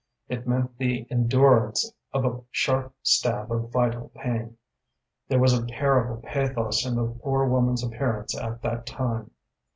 It meant the endurance of a sharp stab of vital pain. There was a terrible pathos in the poor woman's appearance at that time.